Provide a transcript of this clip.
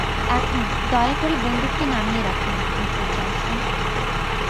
এখন, দয়া করে বন্দুক টা নামিয়ে রাখুন, মিসেস জনসন।